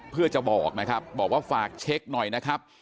เพื่อจะบอกนะครับบอกว่าฝากเช็คหน่อยนะครับ